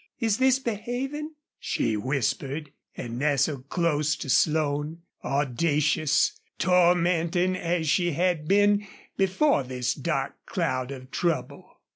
Is this behaving?" she whispered, and nestled close to Slone, audacious, tormenting as she had been before this dark cloud of trouble.